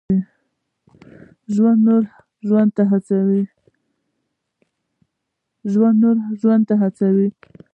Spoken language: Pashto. ژوندي نور ژوند ته هڅوي